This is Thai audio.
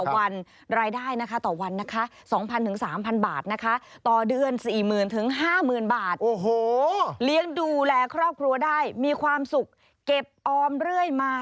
วันรายได้นะคะต่อวันนะคะ๒๐๐๓๐๐บาทนะคะต่อเดือน๔๐๐๐๕๐๐๐บาทเลี้ยงดูแลครอบครัวได้มีความสุขเก็บออมเรื่อยมา